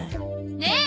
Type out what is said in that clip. ねえ！